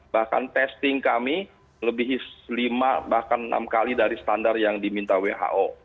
bahkan testing kami lebih lima bahkan enam kali dari standar yang diminta who